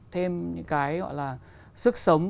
thêm những cái gọi là sức sống